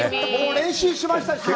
練習しましたしね。